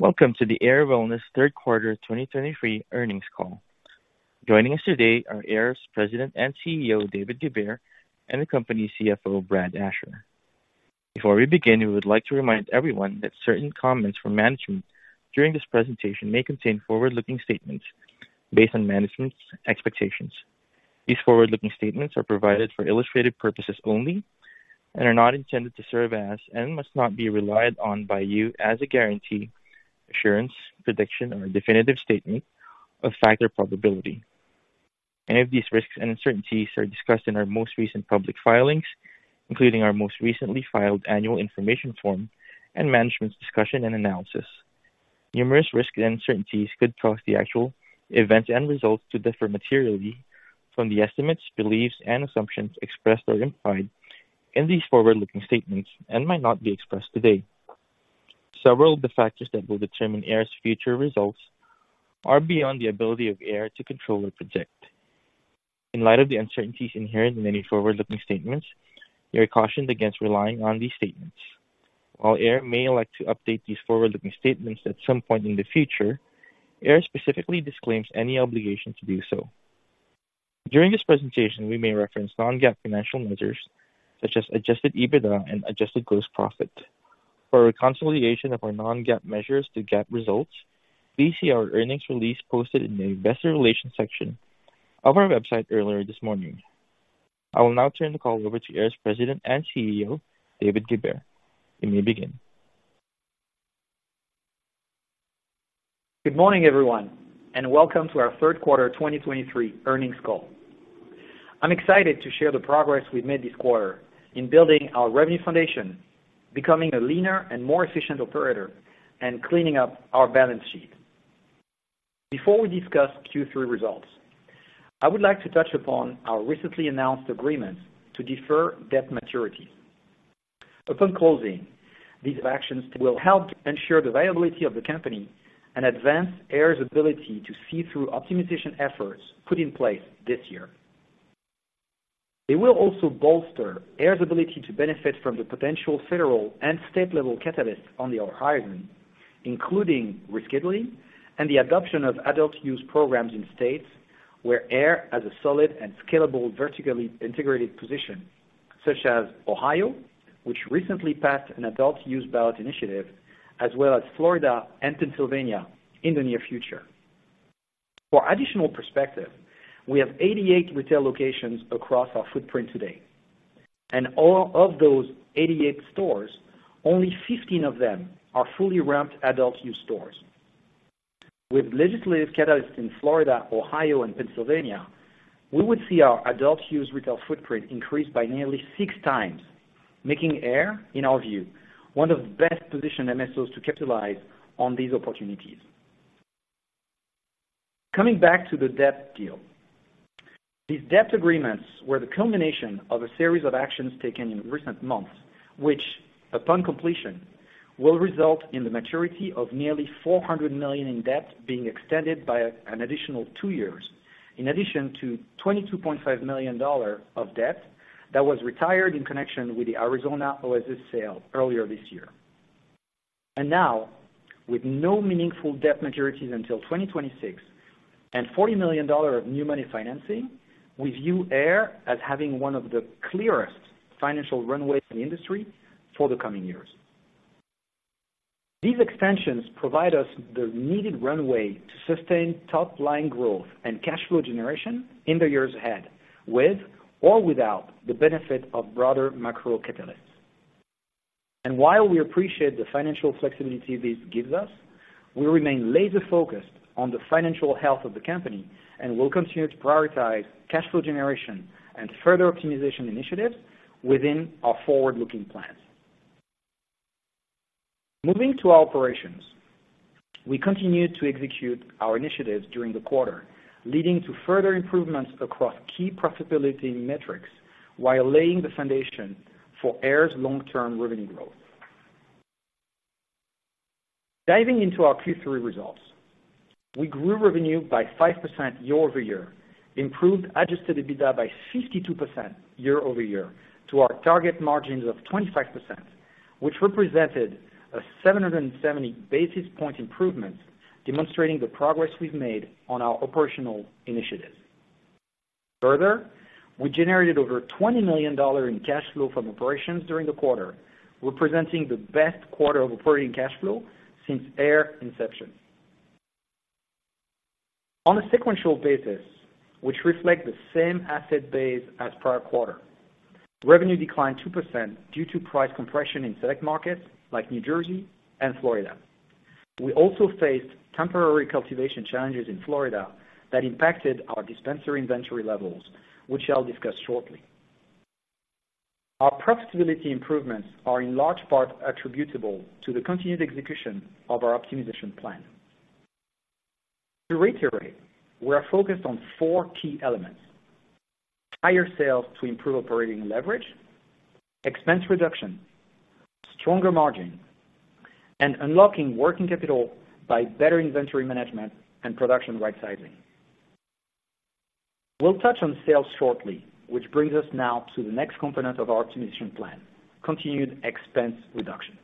Welcome to the Ayr Wellness third quarter 2023 earnings call. Joining us today are Ayr's President and CEO, David Goubert, and the company's CFO, Brad Asher. Before we begin, we would like to remind everyone that certain comments from management during this presentation may contain forward-looking statements based on management's expectations. These forward-looking statements are provided for illustrative purposes only and are not intended to serve as, and must not be relied on by you as a guarantee, assurance, prediction, or definitive statement of fact or probability. Any of these risks and uncertainties are discussed in our most recent public filings, including our most recently filed annual information form and management's discussion and analysis. Numerous risks and uncertainties could cause the actual events and results to differ materially from the estimates, beliefs, and assumptions expressed or implied in these forward-looking statements and might not be expressed today. Several of the factors that will determine AYR's future results are beyond the ability of Ayr to control or predict. In light of the uncertainties inherent in any forward-looking statements, you are cautioned against relying on these statements. While AYR may elect to update these forward-looking statements at some point in the future, AYR specifically disclaims any obligation to do so. During this presentation, we may reference non-GAAP financial measures such as adjusted EBITDA and adjusted gross profit. For a consolidation of our non-GAAP measures to GAAP results, please see our earnings release posted in the investor relations section of our website earlier this morning. I will now turn the call over to AYR's President and CEO, David Goubert. You may begin. Good morning, everyone, and welcome to our third quarter 2023 earnings call. I'm excited to share the progress we've made this quarter in building our revenue foundation, becoming a leaner and more efficient operator, and cleaning up our balance sheet. Before we discuss Q3 results, I would like to touch upon our recently announced agreement to defer debt maturity. Upon closing, these actions will help ensure the viability of the company and advance AYR's ability to see through optimization efforts put in place this year. It will also bolster AYR's ability to benefit from the potential federal and state-level catalysts on the horizon, including rescheduling and the adoption of adult-use programs in states where AYR has a solid and scalable, vertically integrated position, such as Ohio, which recently passed an adult-use ballot initiative, as well as Florida and Pennsylvania in the near future. For additional perspective, we have 88 retail locations across our footprint today, and all of those 88 stores, only 15 of them are fully ramped adult-use stores. With legislative catalysts in Florida, Ohio, and Pennsylvania, we would see our adult-use retail footprint increase by nearly six times, making AYR, in our view, one of the best-positioned MSOs to capitalize on these opportunities. Coming back to the debt deal. These debt agreements were the culmination of a series of actions taken in recent months, which, upon completion, will result in the maturity of nearly $400 million in debt being extended by an additional two years, in addition to $22.5 million of debt that was retired in connection with the Arizona Oasis sale earlier this year. And now, with no meaningful debt maturities until 2026 and $40 million of new money financing, we view AYR as having one of the clearest financial runways in the industry for the coming years. These extensions provide us the needed runway to sustain top-line growth and cash flow generation in the years ahead, with or without the benefit of broader macro catalysts. And while we appreciate the financial flexibility this gives us, we remain laser-focused on the financial health of the company and will continue to prioritize cash flow generation and further optimization initiatives within our forward-looking plans. Moving to our operations, we continued to execute our initiatives during the quarter, leading to further improvements across key profitability metrics while laying the foundation for AYR's long-term revenue growth. Diving into our Q3 results, we grew revenue by 5% year-over-year, improved Adjusted EBITDA by 52% year-over-year to our target margins of 25%, which represented a 770 basis point improvement, demonstrating the progress we've made on our operational initiatives. Further, we generated over $20 million in cash flow from operations during the quarter, representing the best quarter of operating cash flow since AYR's inception. On a sequential basis, which reflects the same asset base as prior quarter, revenue declined 2% due to price compression in select markets like New Jersey and Florida. We also faced temporary cultivation challenges in Florida that impacted our dispensary inventory levels, which I'll discuss shortly. Our profitability improvements are in large part attributable to the continued execution of our optimization plan. To reiterate, we are focused on four key elements: higher sales to improve operating leverage, expense reduction, stronger margin, and unlocking working capital by better inventory management and production right sizing. We'll touch on sales shortly, which brings us now to the next component of our optimization plan: continued expense reduction.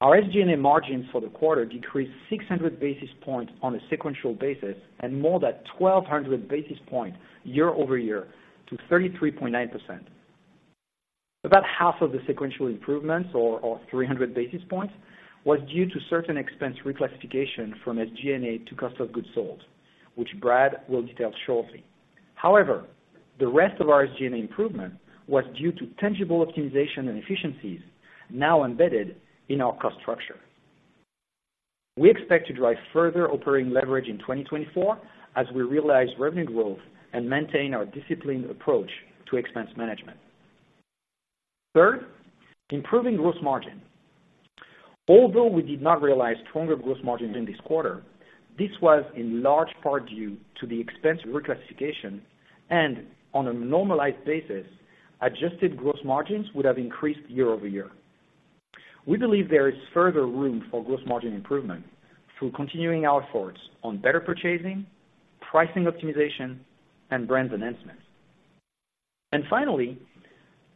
Our SG&A margin for the quarter decreased 600 basis points on a sequential basis and more than 1,200 basis points year-over-year to 33.9%. About half of the sequential improvements, or 300 basis points, was due to certain expense reclassification from SG&A to cost of goods sold, which Brad will detail shortly. However, the rest of our SG&A improvement was due to tangible optimization and efficiencies now embedded in our cost structure. We expect to drive further operating leverage in 2024 as we realize revenue growth and maintain our disciplined approach to expense management. Third, improving gross margin. Although we did not realize stronger gross margins in this quarter, this was in large part due to the expense reclassification, and on a normalized basis, adjusted gross margins would have increased year-over-year. We believe there is further room for gross margin improvement through continuing our efforts on better purchasing, pricing optimization, and brand enhancement. And finally,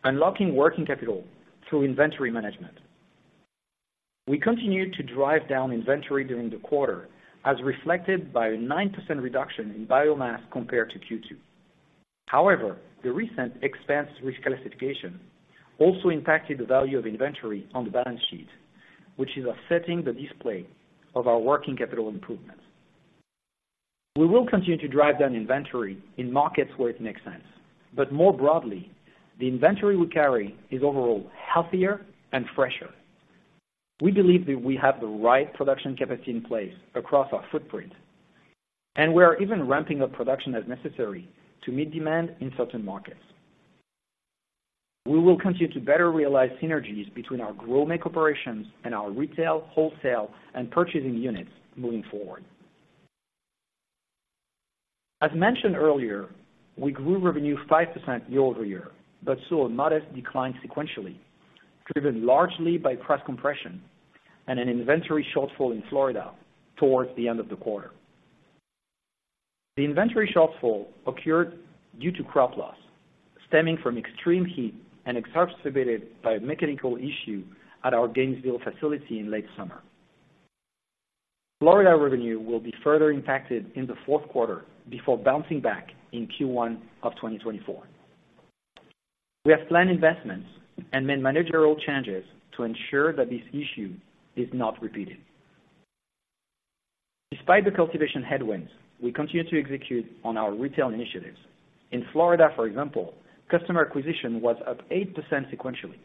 unlocking working capital through inventory management. We continued to drive down inventory during the quarter, as reflected by a 9% reduction in biomass compared to Q2. However, the recent expense reclassification also impacted the value of inventory on the balance sheet, which is affecting the display of our working capital improvement. We will continue to drive down inventory in markets where it makes sense, but more broadly, the inventory we carry is overall healthier and fresher. We believe that we have the right production capacity in place across our footprint, and we are even ramping up production as necessary to meet demand in certain markets. We will continue to better realize synergies between our grow make operations and our retail, wholesale, and purchasing units moving forward. As mentioned earlier, we grew revenue 5% year-over-year, but saw a modest decline sequentially, driven largely by price compression and an inventory shortfall in Florida towards the end of the quarter. The inventory shortfall occurred due to crop loss, stemming from extreme heat and exacerbated by a mechanical issue at our Gainesville facility in late summer. Florida revenue will be further impacted in the fourth quarter before bouncing back in Q1 of 2024. We have planned investments and made managerial changes to ensure that this issue is not repeated. Despite the cultivation headwinds, we continue to execute on our retail initiatives. In Florida, for example, customer acquisition was up 8% sequentially,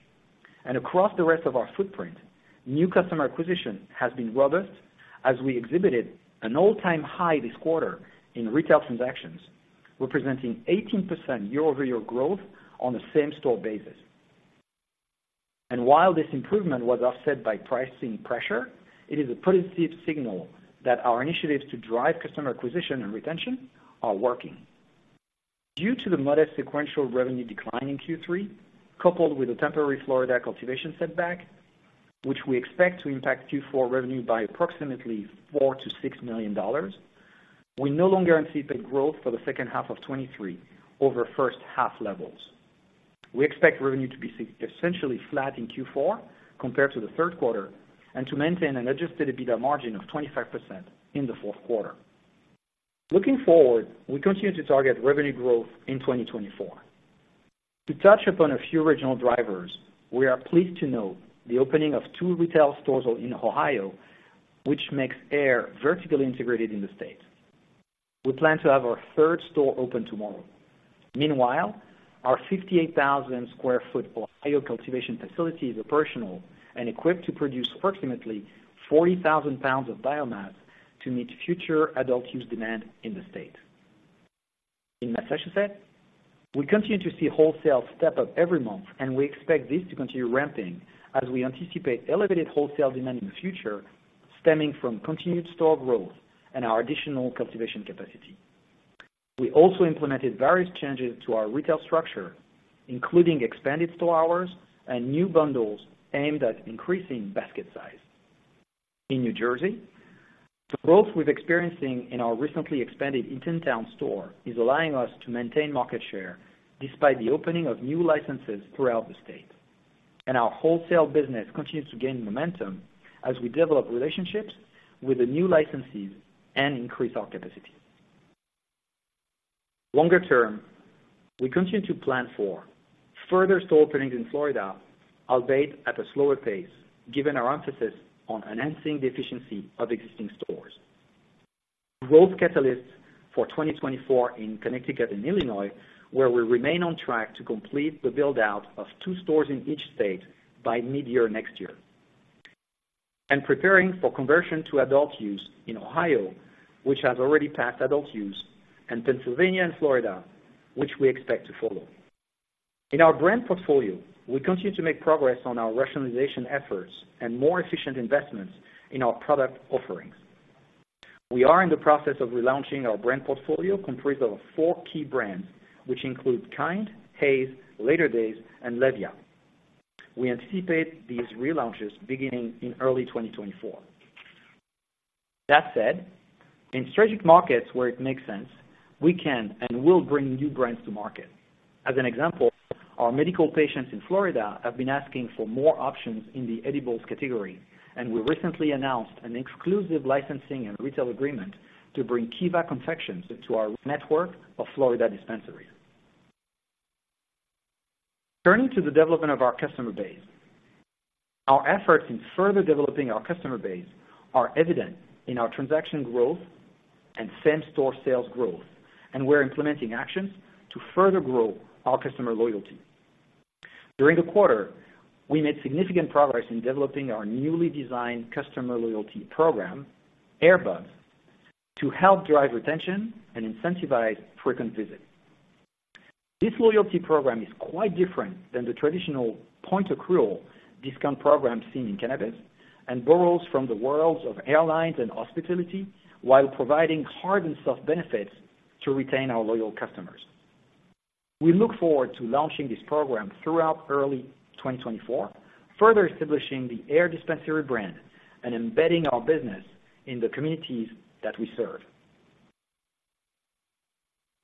and across the rest of our footprint, new customer acquisition has been robust as we exhibited an all-time high this quarter in retail transactions, representing 18% year-over-year growth on a same-store basis. While this improvement was offset by pricing pressure, it is a positive signal that our initiatives to drive customer acquisition and retention are working. Due to the modest sequential revenue decline in Q3, coupled with a temporary Florida cultivation setback, which we expect to impact Q4 revenue by approximately $4 million-$6 million, we no longer anticipate growth for the second half of 2023 over first half levels. We expect revenue to be essentially flat in Q4 compared to the third quarter, and to maintain an Adjusted EBITDA margin of 25% in the fourth quarter. Looking forward, we continue to target revenue growth in 2024. To touch upon a few regional drivers, we are pleased to note the opening of two retail stores in Ohio, which makes Ayr vertically integrated in the state. We plan to have our third store open tomorrow. Meanwhile, our 58,000 sq ft Ohio cultivation facility is operational and equipped to produce approximately 40,000 lbs of biomass to meet future adult-use demand in the state. In Massachusetts, we continue to see wholesale step up every month, and we expect this to continue ramping as we anticipate elevated wholesale demand in the future, stemming from continued store growth and our additional cultivation capacity. We also implemented various changes to our retail structure, including expanded store hours and new bundles aimed at increasing basket size. In New Jersey, the growth we're experiencing in our recently expanded Eatontown store is allowing us to maintain market share despite the opening of new licenses throughout the state. And our wholesale business continues to gain momentum as we develop relationships with the new licensees and increase our capacity. Longer term, we continue to plan for further store openings in Florida, albeit at a slower pace, given our emphasis on enhancing the efficiency of existing stores. Growth catalysts for 2024 in Connecticut and Illinois, where we remain on track to complete the build-out of two stores in each state by mid-year next year, and preparing for conversion to adult use in Ohio, which has already passed adult use, and Pennsylvania and Florida, which we expect to follow. In our brand portfolio, we continue to make progress on our rationalization efforts and more efficient investments in our product offerings. We are in the process of relaunching our brand portfolio, comprised of four key brands, which include Kynd, Haze, Later Days, and Levia.... we anticipate these relaunches beginning in early 2024. That said, in strategic markets where it makes sense, we can and will bring new brands to market. As an example, our medical patients in Florida have been asking for more options in the edibles category, and we recently announced an exclusive licensing and retail agreement to bring Kiva Confections into our network of Florida dispensaries. Turning to the development of our customer base. Our efforts in further developing our customer base are evident in our transaction growth and same-store sales growth, and we're implementing actions to further grow our customer loyalty. During the quarter, we made significant progress in developing our newly designed customer loyalty program, AirBuzz, to help drive retention and incentivize frequent visits. This loyalty program is quite different than the traditional point accrual discount program seen in cannabis, and borrows from the worlds of airlines and hospitality, while providing hard and soft benefits to retain our loyal customers. We look forward to launching this program throughout early 2024, further establishing the AYR dispensary brand and embedding our business in the communities that we serve.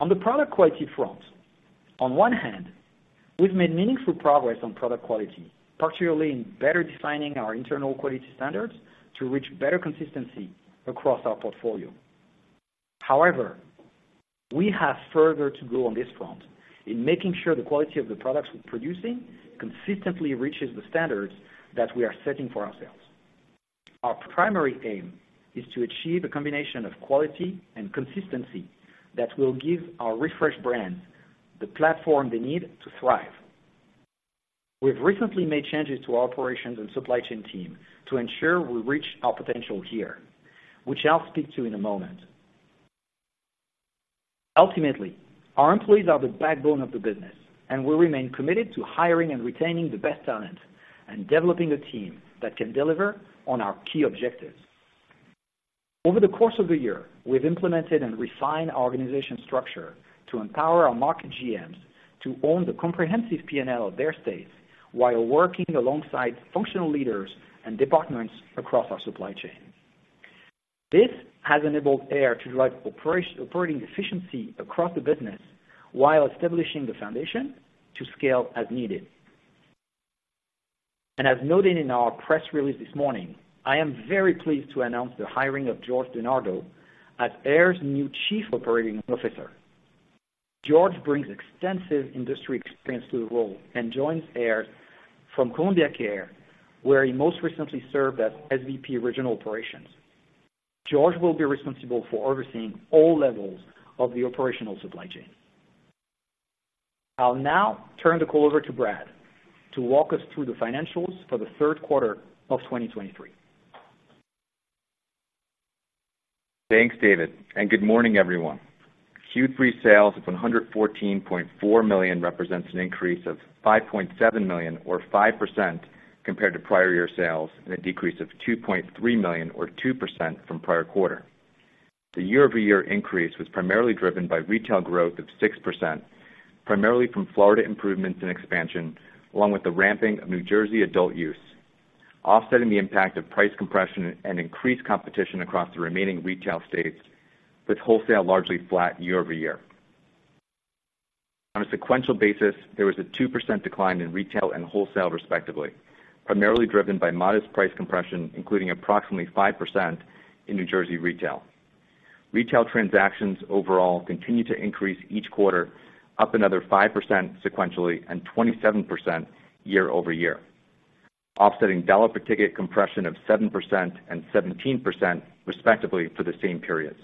On the product quality front, on one hand, we've made meaningful progress on product quality, particularly in better defining our internal quality standards to reach better consistency across our portfolio. However, we have further to go on this front in making sure the quality of the products we're producing consistently reaches the standards that we are setting for ourselves. Our primary aim is to achieve a combination of quality and consistency that will give our refreshed brands the platform they need to thrive. We've recently made changes to our operations and supply chain team to ensure we reach our potential here, which I'll speak to in a moment. Ultimately, our employees are the backbone of the business, and we remain committed to hiring and retaining the best talent and developing a team that can deliver on our key objectives. Over the course of the year, we've implemented and refined our organization structure to empower our market GMs to own the comprehensive P&L of their states while working alongside functional leaders and departments across our supply chain. This has enabled AYR to drive operating efficiency across the business, while establishing the foundation to scale as needed. As noted in our press release this morning, I am very pleased to announce the hiring of George DeNardo as AYR's new Chief Operating Officer. George brings extensive industry experience to the role and joins AYR from Columbia Care, where he most recently served as SVP, Regional Operations. George will be responsible for overseeing all levels of the operational supply chain. I'll now turn the call over to Brad to walk us through the financials for the third quarter of 2023. Thanks, David, and good morning, everyone. Q3 sales of $114.4 million represents an increase of $5.7 million or 5% compared to prior year sales, and a decrease of $2.3 million or 2% from prior quarter. The year-over-year increase was primarily driven by retail growth of 6%, primarily from Florida improvements and expansion, along with the ramping of New Jersey adult-use, offsetting the impact of price compression and increased competition across the remaining retail states, with wholesale largely flat year-over-year. On a sequential basis, there was a 2% decline in retail and wholesale, respectively, primarily driven by modest price compression, including approximately 5% in New Jersey retail. Retail transactions overall continue to increase each quarter, up another 5% sequentially and 27% year-over-year, offsetting dollar per ticket compression of 7% and 17%, respectively, for the same periods.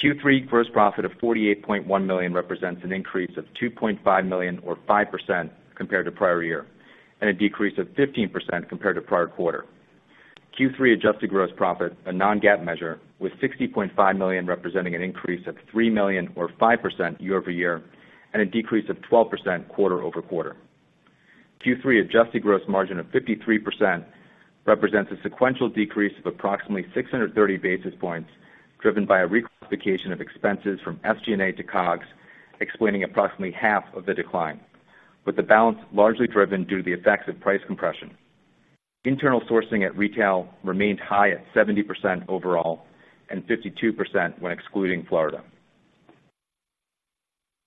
Q3 gross profit of $48.1 million represents an increase of $2.5 million or 5% compared to prior year, and a decrease of 15% compared to prior quarter. Q3 adjusted gross profit, a non-GAAP measure, with $60.5 million, representing an increase of $3 million or 5% year-over-year, and a decrease of 12% quarter-over-quarter. Q3 adjusted gross margin of 53% represents a sequential decrease of approximately 630 basis points, driven by a reclassification of expenses from SG&A to COGS, explaining approximately half of the decline, with the balance largely driven due to the effects of price compression. Internal sourcing at retail remained high at 70% overall and 52% when excluding Florida.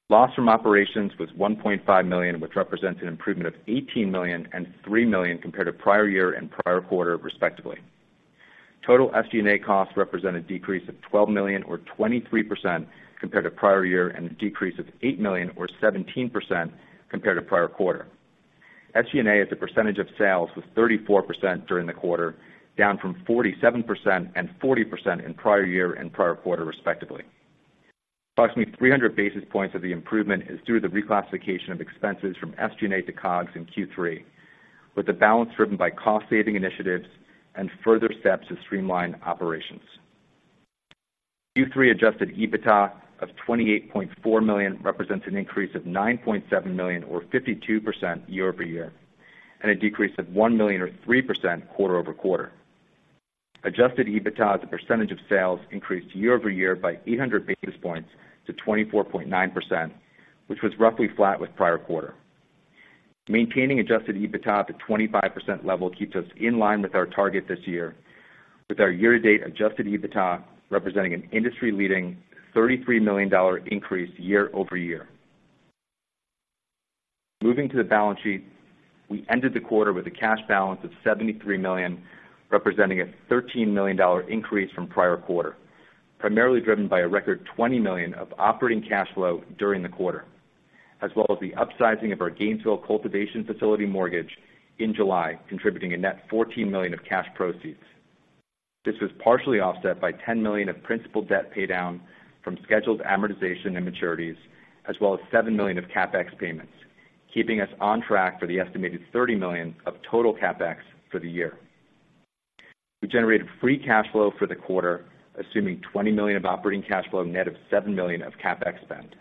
Loss from operations was $1.5 million, which represents an improvement of $18 million and $3 million compared to prior year and prior quarter, respectively. Total SG&A costs represent a decrease of $12 million or 23% compared to prior year, and a decrease of $8 million or 17% compared to prior quarter. SG&A as a percentage of sales was 34% during the quarter, down from 47% and 40% in prior year and prior quarter, respectively. Approximately 300 basis points of the improvement is due to the reclassification of expenses from SG&A to COGS in Q3, with the balance driven by cost-saving initiatives and further steps to streamline operations. Q3 Adjusted EBITDA of $28.4 million represents an increase of $9.7 million or 52% year-over-year, and a decrease of $1 million or 3% quarter-over-quarter. Adjusted EBITDA as a percentage of sales increased year-over-year by 800 basis points to 24.9%, which was roughly flat with prior quarter. Maintaining Adjusted EBITDA at the 25% level keeps us in line with our target this year, with our year-to-date Adjusted EBITDA representing an industry-leading $33 million increase year-over-year. Moving to the balance sheet, we ended the quarter with a cash balance of $73 million, representing a $13 million increase from prior quarter, primarily driven by a record $20 million of operating cash flow during the quarter, as well as the upsizing of our Gainesville cultivation facility mortgage in July, contributing a net $14 million of cash proceeds. This was partially offset by $10 million of principal debt pay down from scheduled amortization and maturities, as well as $7 million of CapEx payments, keeping us on track for the estimated $30 million of total CapEx for the year. We generated free cash flow for the quarter, assuming $20 million of operating cash flow, net of $7 million of CapEx spend.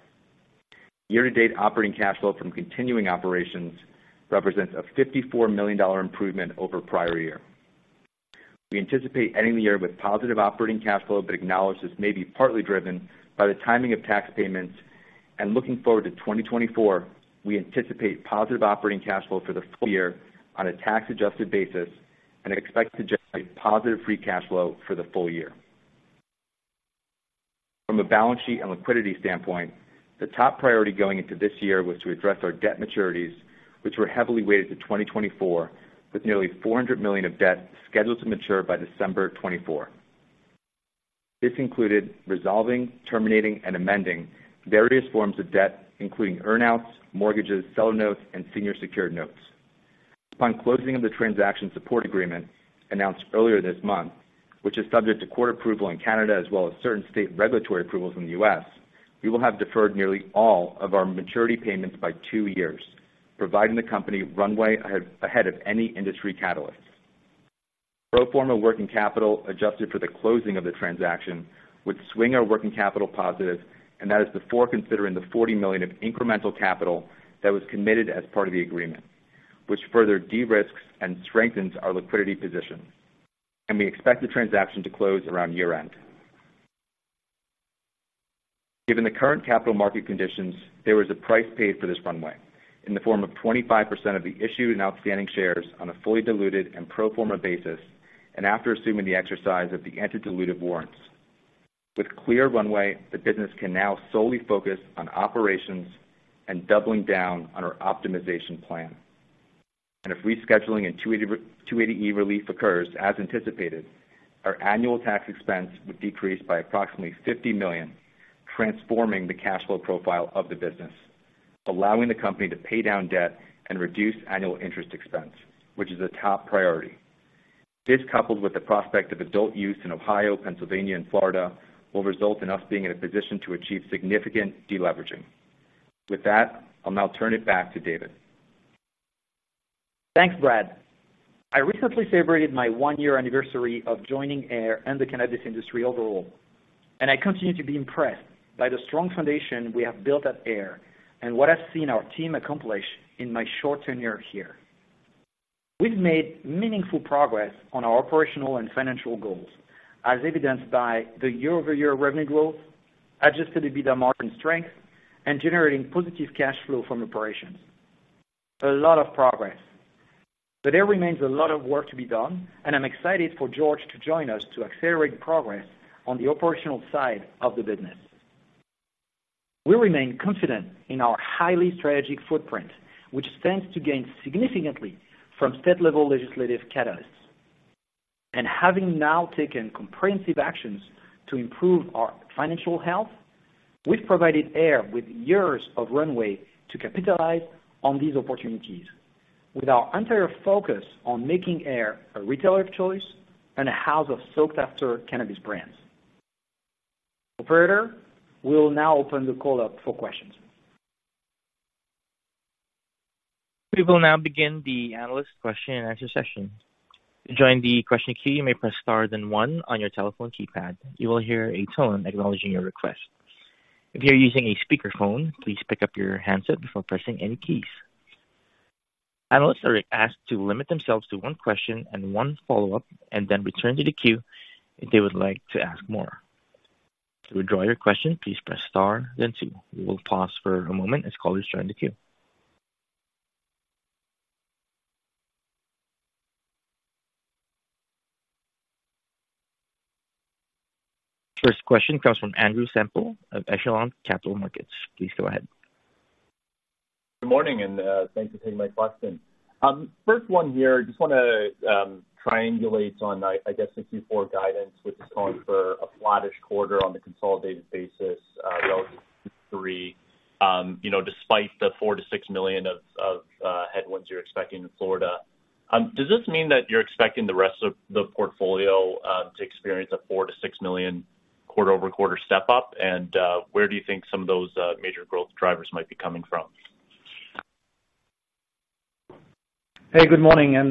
Year-to-date operating cash flow from continuing operations represents a $54 million improvement over prior year. We anticipate ending the year with positive operating cash flow, but acknowledge this may be partly driven by the timing of tax payments. Looking forward to 2024, we anticipate positive operating cash flow for the full year on a tax-adjusted basis and expect to generate positive free cash flow for the full year. From a balance sheet and liquidity standpoint, the top priority going into this year was to address our debt maturities, which were heavily weighted to 2024, with nearly $400 million of debt scheduled to mature by December 2024. This included resolving, terminating, and amending various forms of debt, including earn-outs, mortgages, seller notes, and senior secured notes. Upon closing of the Transaction Support Agreement announced earlier this month, which is subject to court approval in Canada as well as certain state regulatory approvals in the U.S., we will have deferred nearly all of our maturity payments by two years, providing the company runway ahead of any industry catalysts. Pro forma working capital, adjusted for the closing of the transaction, would swing our working capital positive, and that is before considering the $40 million of incremental capital that was committed as part of the agreement, which further de-risks and strengthens our liquidity position. And we expect the transaction to close around year-end. Given the current capital market conditions, there was a price paid for this runway in the form of 25% of the issued and outstanding shares on a fully diluted and pro forma basis, and after assuming the exercise of the anti-dilutive warrants. With clear runway, the business can now solely focus on operations and doubling down on our optimization plan. If rescheduling and 280E relief occurs as anticipated, our annual tax expense would decrease by approximately $50 million, transforming the cash flow profile of the business, allowing the company to pay down debt and reduce annual interest expense, which is a top priority. This, coupled with the prospect of adult use in Ohio, Pennsylvania and Florida, will result in us being in a position to achieve significant deleveraging. With that, I'll now turn it back to David. Thanks, Brad. I recently celebrated my one-year anniversary of joining Ayr and the cannabis industry overall, and I continue to be impressed by the strong foundation we have built at Ayr and what I've seen our team accomplish in my short tenure here. We've made meaningful progress on our operational and financial goals, as evidenced by the year-over-year revenue growth, Adjusted EBITDA margin strength, and generating positive cash flow from operations. A lot of progress, but there remains a lot of work to be done, and I'm excited for George to join us to accelerate progress on the operational side of the business. We remain confident in our highly strategic footprint, which stands to gain significantly from state-level legislative catalysts. And having now taken comprehensive actions to improve our financial health, we've provided Ayr with years of runway to capitalize on these opportunities. With our entire focus on making Ayr a retailer of choice and a house of sought-after cannabis brands. Operator, we'll now open the call up for questions. We will now begin the analyst question-and-answer session. To join the question queue, you may press star then one on your telephone keypad. You will hear a tone acknowledging your request. If you are using a speakerphone, please pick up your handset before pressing any keys. Analysts are asked to limit themselves to one question and one follow-up, and then return to the queue if they would like to ask more. To withdraw your question, please press star then two. We will pause for a moment as callers join the queue. First question comes from Andrew Semple of Echelon Capital Markets. Please go ahead. Good morning, and thanks for taking my question. First one here, just wanna triangulate on, I guess, the Q4 guidance, which is calling for a flattish quarter on the consolidated basis, relative to Q3. You know, despite the $4 million-$6 million of headwinds you're expecting in Florida. Does this mean that you're expecting the rest of the portfolio to experience a $4 million-$6 million quarter-over-quarter step up? And, where do you think some of those major growth drivers might be coming from? Hey, good morning, and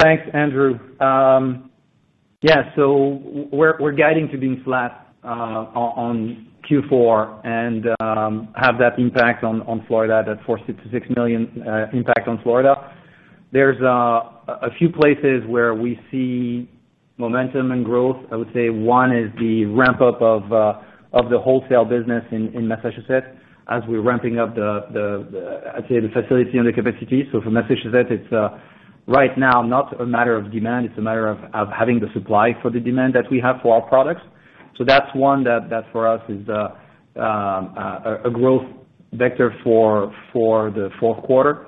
thanks, Andrew. Yeah, so we're guiding to being flat on Q4 and have that impact on Florida, that $4 million-$6 million impact on Florida. There's a few places where we see momentum and growth. I would say one is the ramp-up of the wholesale business in Massachusetts, as we're ramping up, I'd say, the facility and the capacity. So for Massachusetts, it's right now not a matter of demand, it's a matter of having the supply for the demand that we have for our products. So that's one that for us is a growth vector for the fourth quarter.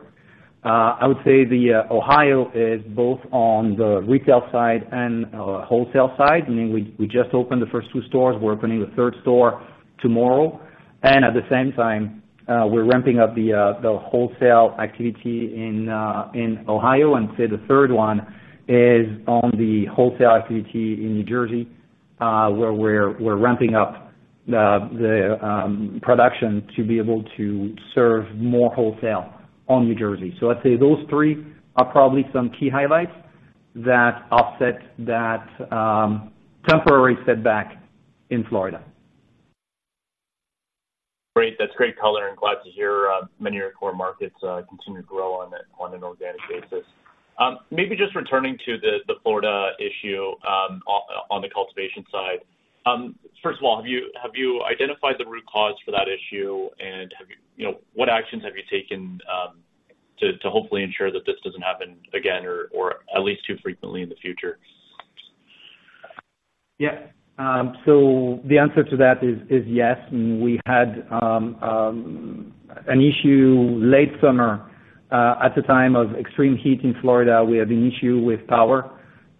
I would say the Ohio is both on the retail side and wholesale side. I mean, we just opened the first two stores. We're opening the third store tomorrow. And at the same time, we're ramping up the wholesale activity in Ohio, and say the third one is on the wholesale activity in New Jersey, where we're ramping up the production to be able to serve more wholesale on New Jersey. So I'd say those three are probably some key highlights that offset that temporary setback in Florida. Great. That's great color, and glad to hear many of your core markets continue to grow on an organic basis. Maybe just returning to the Florida issue on the cultivation side. First of all, have you identified the root cause for that issue? And have you? You know, what actions have you taken to hopefully ensure that this doesn't happen again, or at least too frequently in the future? Yeah. So the answer to that is yes. We had an issue late summer at the time of extreme heat in Florida. We had an issue with power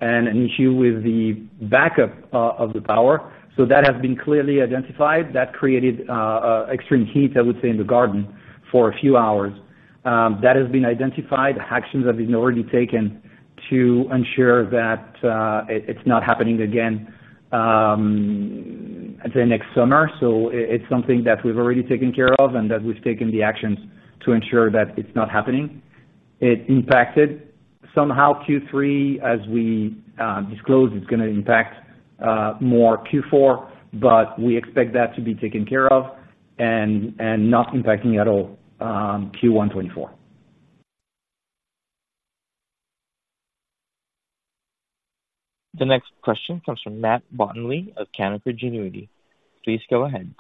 and an issue with the backup of the power. So that has been clearly identified. That created extreme heat, I would say, in the garden for a few hours. That has been identified. Actions have been already taken to ensure that it's not happening again until next summer. So it's something that we've already taken care of and that we've taken the actions to ensure that it's not happening. It impacted somehow Q3. As we disclose, it's gonna impact more Q4, but we expect that to be taken care of and not impacting at all Q1 2024. The next question comes from Matt Bottomley of Canaccord Genuity. Please go ahead.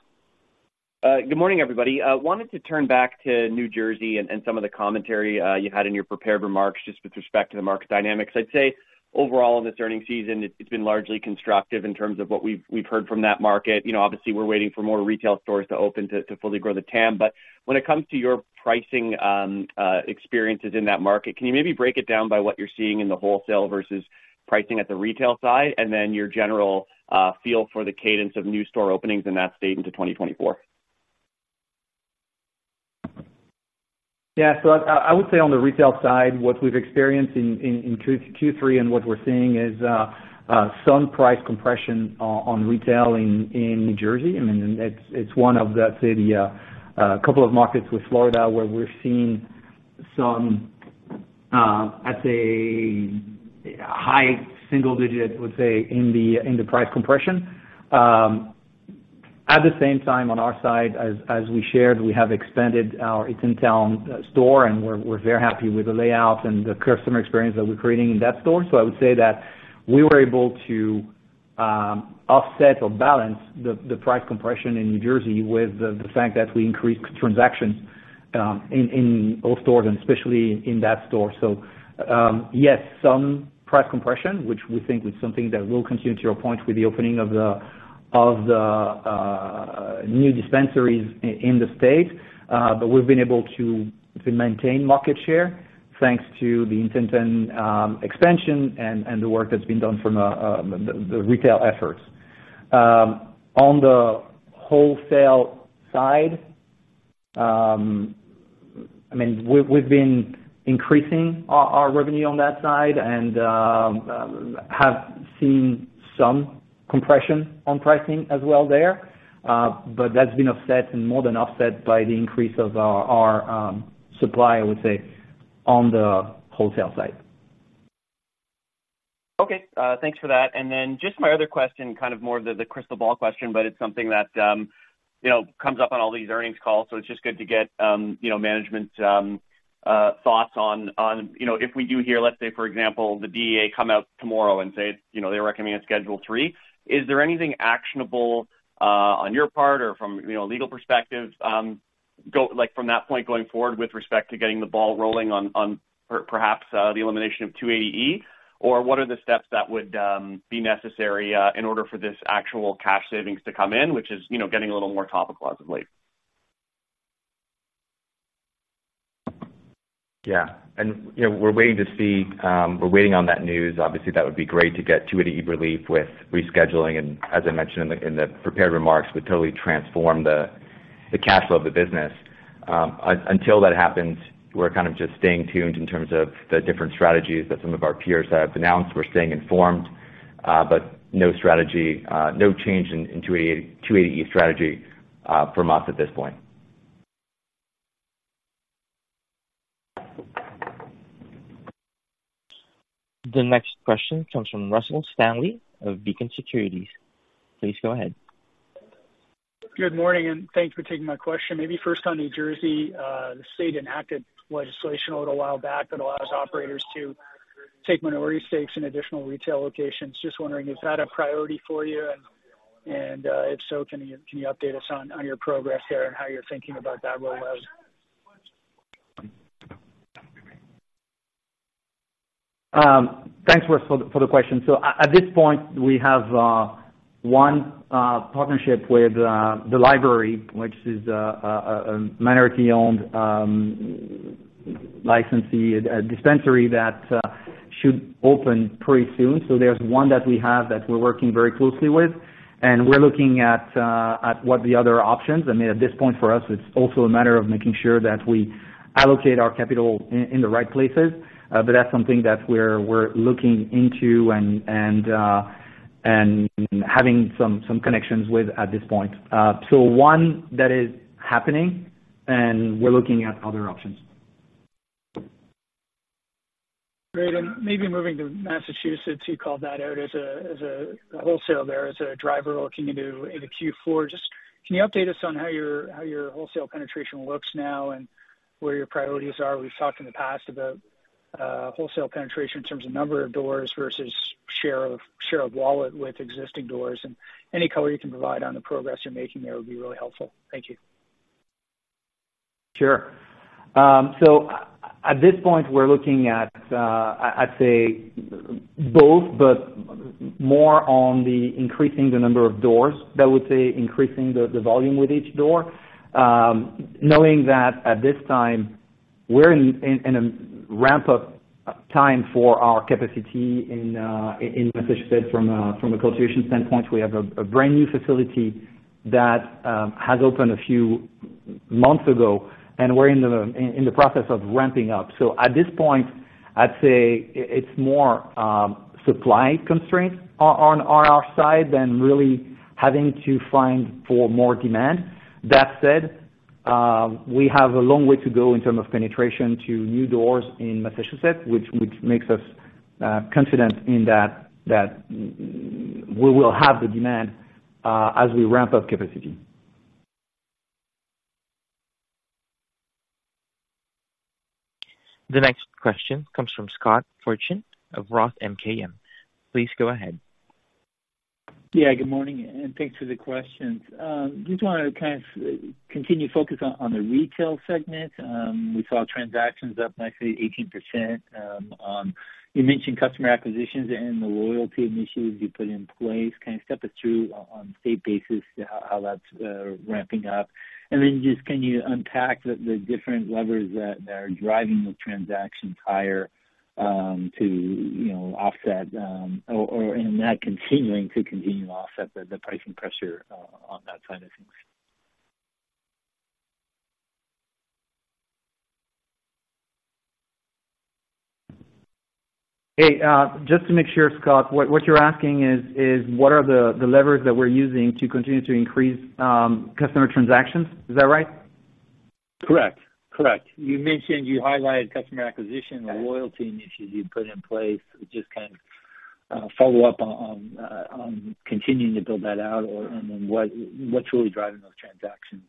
Good morning, everybody. I wanted to turn back to New Jersey and some of the commentary you had in your prepared remarks just with respect to the market dynamics. I'd say, overall, in this earnings season, it's been largely constructive in terms of what we've heard from that market. You know, obviously, we're waiting for more retail stores to open to fully grow the TAM. But when it comes to your pricing experiences in that market, can you maybe break it down by what you're seeing in the wholesale versus pricing at the retail side, and then your general feel for the cadence of new store openings in that state into 2024? Yeah. So I would say on the retail side, what we've experienced in Q3 and what we're seeing is some price compression on retail in New Jersey. I mean, it's one of, let's say, the couple of markets with Florida, where we're seeing some, I'd say high single digit, would say, in the price compression. At the same time, on our side, as we shared, we have expanded our Eatontown store, and we're very happy with the layout and the customer experience that we're creating in that store. So I would say that we were able to offset or balance the price compression in New Jersey with the fact that we increased transactions in all stores and especially in that store. So, yes, some price compression, which we think is something that will continue to your point, with the opening of the new dispensaries in the state. But we've been able to maintain market share, thanks to the Eatontown expansion and the work that's been done from the retail efforts. On the wholesale side, I mean, we've been increasing our revenue on that side and have seen some compression on pricing as well there. But that's been offset and more than offset by the increase of our supply, I would say, on the wholesale side. Okay, thanks for that. And then just my other question, kind of more of the crystal ball question, but it's something that, you know, comes up on all these earnings calls, so it's just good to get, you know, management's thoughts on... You know, if we do hear, let's say, for example, the DEA come out tomorrow and say, you know, they recommend a Schedule III, is there anything actionable, on your part or from, you know, a legal perspective, like, from that point going forward, with respect to getting the ball rolling on, perhaps, the elimination of 280E? Or what are the steps that would be necessary, in order for this actual cash savings to come in, which is, you know, getting a little more topical as of late? Yeah. And, you know, we're waiting to see, we're waiting on that news. Obviously, that would be great to get 280E relief with rescheduling, and as I mentioned in the, in the prepared remarks, would totally transform the, the cash flow of the business. Until that happens, we're kind of just staying tuned in terms of the different strategies that some of our peers have announced. We're staying informed, but no strategy, no change in, in 280E strategy, from us at this point. The next question comes from Russell Stanley of Beacon Securities. Please go ahead. Good morning, and thanks for taking my question. Maybe first on New Jersey, the state enacted legislation a little while back that allows operators to take minority stakes in additional retail locations. Just wondering, is that a priority for you? And if so, can you update us on your progress there and how you're thinking about that rollout? Thanks for the question. So at this point, we have one partnership with the library, which is a minority-owned licensee, a dispensary that should open pretty soon. So there's one that we have that we're working very closely with, and we're looking at what the other options. I mean, at this point, for us, it's also a matter of making sure that we allocate our capital in the right places, but that's something that we're looking into and having some connections with at this point. So one that is happening, and we're looking at other options. Great. And maybe moving to Massachusetts, you called that out as a wholesale there, as a driver looking into Q4. Just, can you update us on how your wholesale penetration looks now and where your priorities are? We've talked in the past about wholesale penetration in terms of number of doors versus share of wallet with existing doors, and any color you can provide on the progress you're making there would be really helpful. Thank you. Sure. So at this point, we're looking at, I'd say both, but more on the increasing the number of doors, that would say increasing the volume with each door. Knowing that at this time, we're in a ramp-up time for our capacity in Massachusetts from a cultivation standpoint. We have a brand-new facility that has opened a few months ago, and we're in the process of ramping up. So at this point, I'd say it's more supply constraints on our side than really having to find for more demand. That said, we have a long way to go in terms of penetration to new doors in Massachusetts, which makes us confident in that we will have the demand as we ramp up capacity. The next question comes from Scott Fortune of Roth MKM. Please go ahead. Yeah, good morning, and thanks for the questions. Just wanted to kind of continue to focus on the retail segment. We saw transactions up nicely, 18%. You mentioned customer acquisitions and the loyalty initiatives you put in place. Kind of step us through on a state basis, how that's ramping up. And then just can you unpack the different levers that are driving the transactions higher, to you know, offset, or and that continuing to offset the pricing pressure on that side of things? Hey, just to make sure, Scott, what, what you're asking is, is what are the, the levers that we're using to continue to increase, customer transactions? Is that right? Correct. Correct. You mentioned you highlighted customer acquisition- Right. -and loyalty initiatives you've put in place. Just kind of, follow up on continuing to build that out or, and then what's really driving those transactions.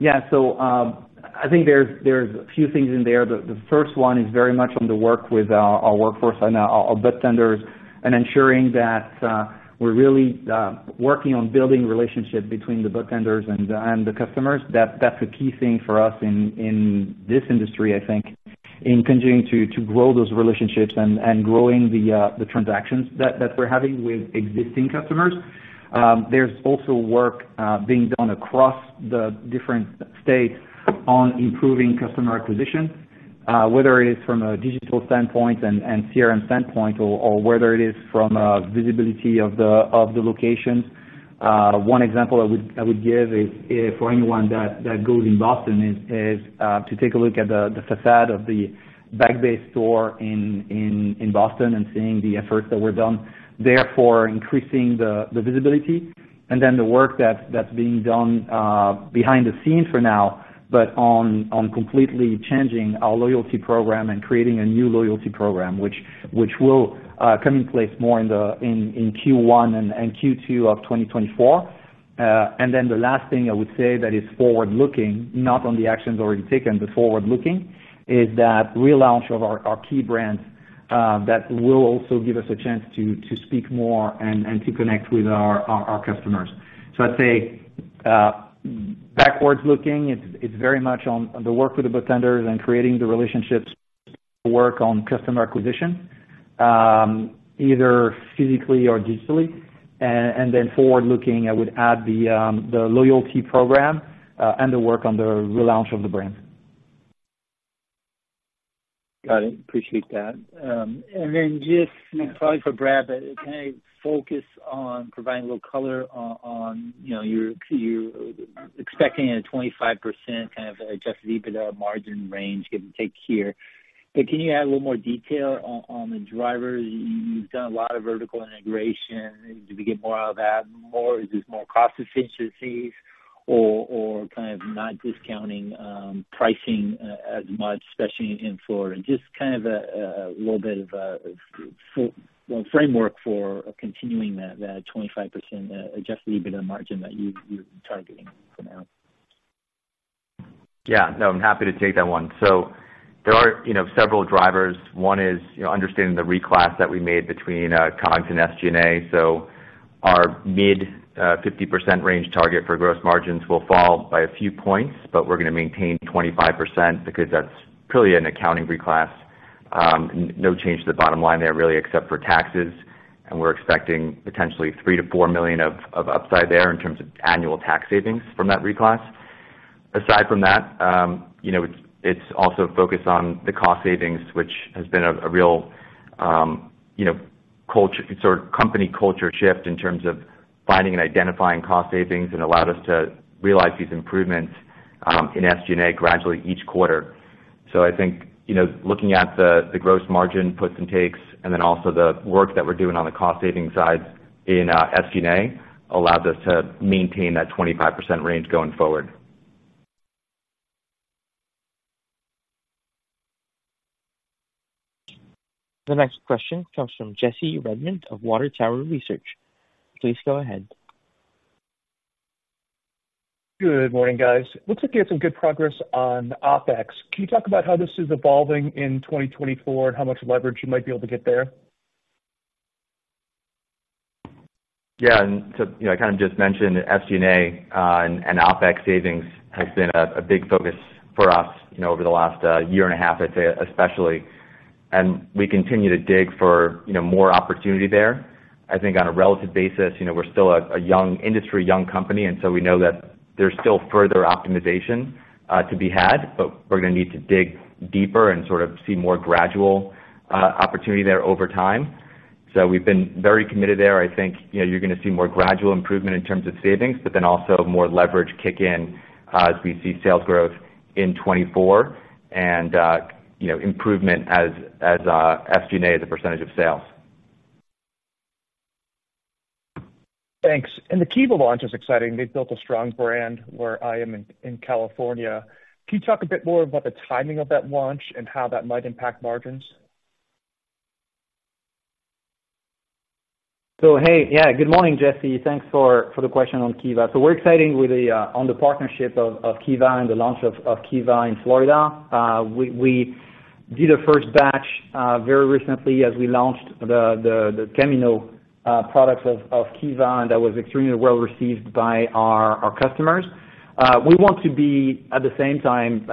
Yeah. So, I think there's a few things in there. The first one is very much on the work with our workforce and our budtenders, and ensuring that we're really working on building relationships between the budtenders and the customers. That's a key thing for us in this industry, I think, in continuing to grow those relationships and growing the transactions that we're having with existing customers. There's also work being done across the different states on improving customer acquisition, whether it is from a digital standpoint and CRM standpoint or whether it is from a visibility of the location. One example I would give is for anyone that goes in Boston is to take a look at the facade of the Back Bay store in Boston and seeing the efforts that were done, therefore increasing the visibility. And then the work that's being done behind the scenes for now, but on completely changing our loyalty program and creating a new loyalty program, which will come in place more in Q1 and Q2 of 2024. And then the last thing I would say that is forward-looking, not on the actions already taken, but forward-looking, is that relaunch of our key brands that will also give us a chance to speak more and to connect with our customers. So I'd say, backwards looking, it's very much on the work with the budtenders and creating the relationships, work on customer acquisition, either physically or digitally. And then forward looking, I would add the loyalty program, and the work on the relaunch of the brand. Got it. Appreciate that. And then just probably for Brad, but can I focus on providing a little color on, you know, you're expecting a 25% kind of adjusted EBITDA margin range, give and take here. But can you add a little more detail on the drivers? You've done a lot of vertical integration. Do we get more out of that, more? Is this more cost efficiencies? or kind of not discounting pricing as much, especially in Florida. Just kind of a little bit of a framework for continuing that 25% adjusted EBITDA margin that you're targeting for now. Yeah, no, I'm happy to take that one. So there are, you know, several drivers. One is, you know, understanding the reclass that we made between, COGS and SG&A. So our mid-50% range target for gross margins will fall by a few points, but we're gonna maintain 25% because that's purely an accounting reclass. No change to the bottom line there, really, except for taxes, and we're expecting potentially $3 million-$4 million of upside there in terms of annual tax savings from that reclass. Aside from that, you know, it's also focused on the cost savings, which has been a real, you know, culture-- sort of, company culture shift in terms of finding and identifying cost savings, and allowed us to realize these improvements, in SG&A gradually each quarter. I think, you know, looking at the gross margin puts and takes, and then also the work that we're doing on the cost saving side in SG&A, allows us to maintain that 25% range going forward. The next question comes from Jesse Redmond of Water Tower Research. Please go ahead. Good morning, guys. Looks like you had some good progress on OpEx. Can you talk about how this is evolving in 2024, and how much leverage you might be able to get there? Yeah, and so, you know, I kind of just mentioned SG&A, and OpEx savings has been a big focus for us, you know, over the last year and a half, I'd say, especially, and we continue to dig for, you know, more opportunity there. I think on a relative basis, you know, we're still a young industry, young company, and so we know that there's still further optimization to be had, but we're gonna need to dig deeper and sort of see more gradual opportunity there over time. So we've been very committed there. I think, you know, you're gonna see more gradual improvement in terms of savings, but then also more leverage kick in as we see sales growth in 2024 and, you know, improvement as SG&A as a percentage of sales. Thanks. The Kiva launch is exciting. They've built a strong brand where I am in California. Can you talk a bit more about the timing of that launch and how that might impact margins? So hey, yeah, good morning, Jesse. Thanks for the question on Kiva. So we're exciting with the on the partnership of Kiva and the launch of Kiva in Florida. We did a first batch very recently as we launched the Camino products of Kiva, and that was extremely well received by our customers. We want to be, at the same time,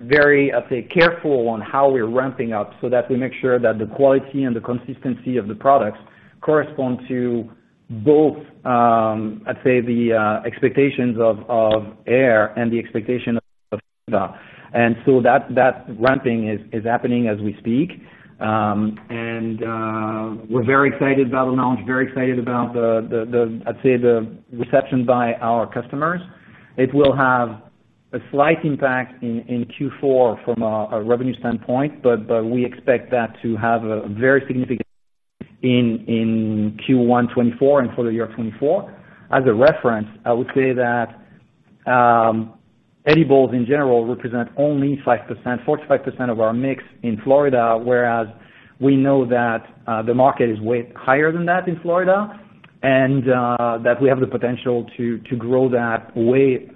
very, I'd say, careful on how we're ramping up, so that we make sure that the quality and the consistency of the products correspond to both, I'd say, the expectations of Ayr and the expectation of Kiva. And so that ramping is happening as we speak. And we're very excited about the launch, very excited about the, I'd say, the reception by our customers. It will have a slight impact in Q4 from a revenue standpoint, but we expect that to have a very significant in Q1 2024 and for the year 2024. As a reference, I would say that edibles in general represent only 5%, 4%-5% of our mix in Florida, whereas we know that the market is way higher than that in Florida. And that we have the potential to grow that way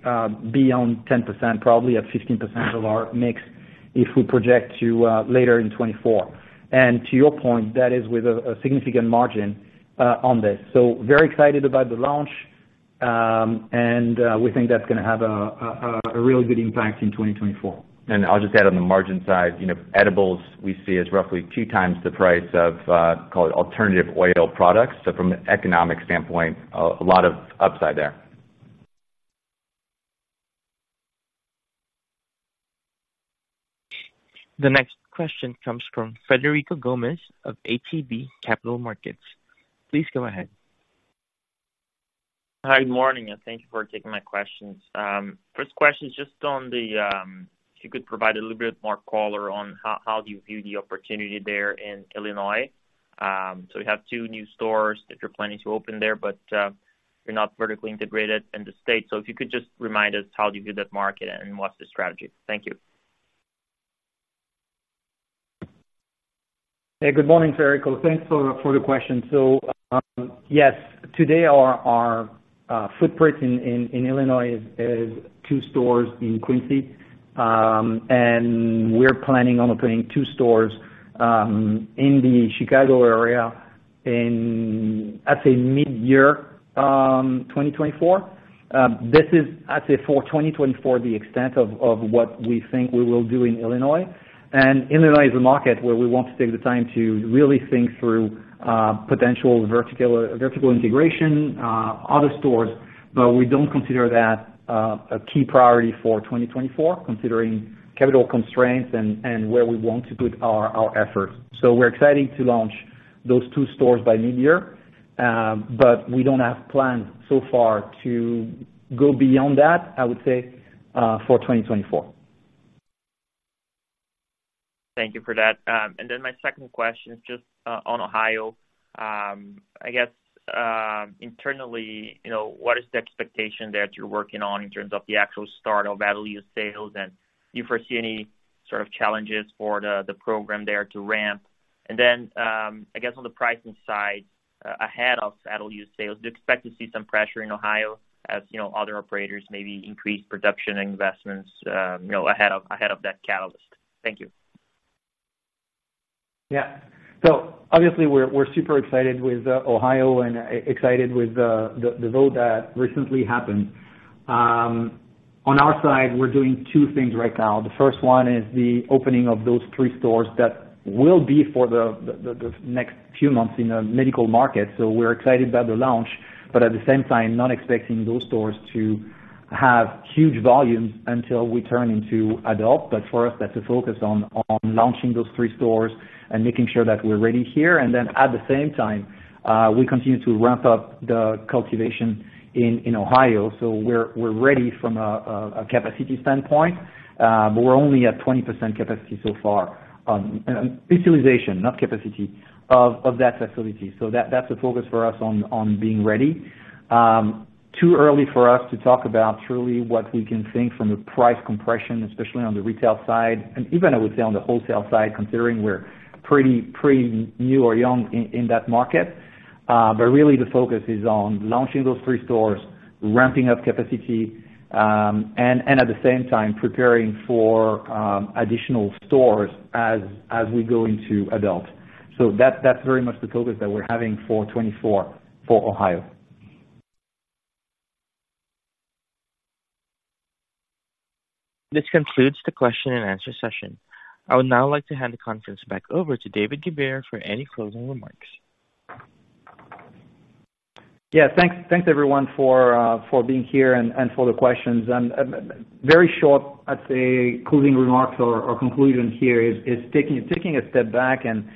beyond 10%, probably at 15% of our mix, if we project to later in 2024. And to your point, that is with a significant margin on this. So very excited about the launch, and we think that's gonna have a real good impact in 2024. I'll just add on the margin side, you know, edibles, we see, is roughly two times the price of, call it, alternative oil products. From an economic standpoint, a lot of upside there. The next question comes from Federico Gomes of ATB Capital Markets. Please go ahead. Hi, good morning, and thank you for taking my questions. First question is just on if you could provide a little bit more color on how do you view the opportunity there in Illinois? So you have two new stores that you're planning to open there, but you're not vertically integrated in the state. So if you could just remind us how do you view that market and what's the strategy? Thank you. Hey, good morning, Frederico. Thanks for the question. So, yes, today our footprint in Illinois is two stores in Quincy. And we're planning on opening two stores in the Chicago area in, I'd say, midyear 2024. This is, I'd say, for 2024, the extent of what we think we will do in Illinois. And Illinois is a market where we want to take the time to really think through potential vertical integration, other stores, but we don't consider that a key priority for 2024, considering capital constraints and where we want to put our efforts. So we're excited to launch those two stores by midyear, but we don't have plans so far to go beyond that, I would say, for 2024. ...Thank you for that. And then my second question is just, on Ohio. I guess, internally, you know, what is the expectation that you're working on in terms of the actual start of adult use sales? And do you foresee any sort of challenges for the, the program there to ramp? And then, I guess on the pricing side, ahead of adult use sales, do you expect to see some pressure in Ohio, as, you know, other operators maybe increase production investments, you know, ahead of, ahead of that catalyst? Thank you. Yeah. So obviously, we're super excited with Ohio and excited with the vote that recently happened. On our side, we're doing two things right now. The first one is the opening of those three stores that will be for the next few months in a medical market. So we're excited about the launch, but at the same time, not expecting those stores to have huge volumes until we turn into adult. But for us, that's a focus on launching those three stores and making sure that we're ready here. And then at the same time, we continue to ramp up the cultivation in Ohio. So we're ready from a capacity standpoint, but we're only at 20% capacity so far, utilization, not capacity, of that facility. So that's a focus for us on being ready. Too early for us to talk about truly what we can think from a price compression, especially on the retail side, and even I would say on the wholesale side, considering we're pretty new or young in that market. But really the focus is on launching those three stores, ramping up capacity, and at the same time preparing for additional stores as we go into adult. So that's very much the focus that we're having for 2024 for Ohio. This concludes the question and answer session. I would now like to hand the conference back over to David Goubert for any closing remarks. Yeah, thanks. Thanks, everyone, for being here and for the questions. Very short, I'd say, closing remarks or conclusion here is taking a step back and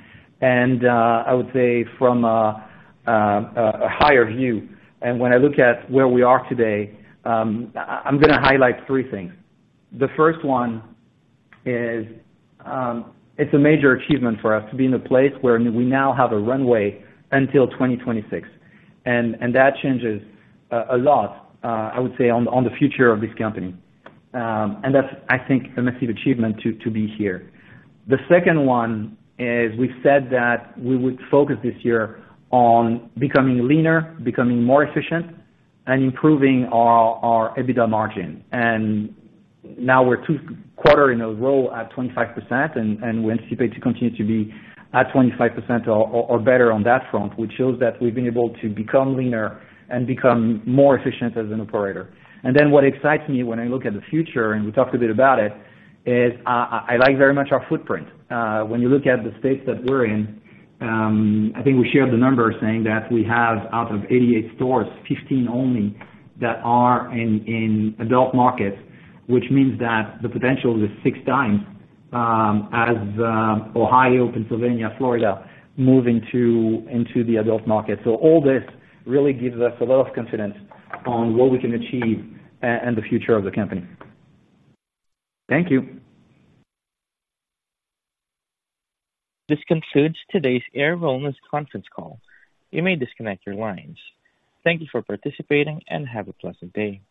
I would say from a higher view. And when I look at where we are today, I'm gonna highlight three things. The first one is, it's a major achievement for us to be in a place where we now have a runway until 2026, and that changes a lot, I would say, on the future of this company. And that's, I think, a massive achievement to be here. The second one is we said that we would focus this year on becoming leaner, becoming more efficient, and improving our EBITDA margin. Now we're two quarters in a row at 25%, and we anticipate to continue to be at 25% or better on that front, which shows that we've been able to become leaner and become more efficient as an operator. Then what excites me when I look at the future, and we talked a bit about it, is I like very much our footprint. When you look at the states that we're in, I think we shared the numbers saying that we have, out of 88 stores, 15 only that are in adult markets, which means that the potential is six times as Ohio, Pennsylvania, Florida move into the adult market. So all this really gives us a lot of confidence on what we can achieve and the future of the company. Thank you. This concludes today's Ayr Wellness conference call. You may disconnect your lines. Thank you for participating, and have a pleasant day.